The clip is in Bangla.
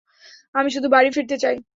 আমি শুধু বাড়ি ফিরতে চাই।